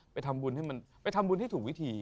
ไปทำบุญให้ถูกวิธี